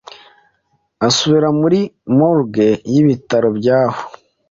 asubira muri morgue yibitaro byaho